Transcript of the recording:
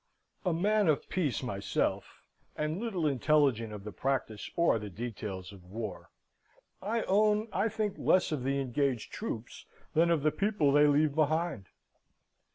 A man of peace myself, and little intelligent of the practice or the details of war, I own I think less of the engaged troops than of the people they leave behind.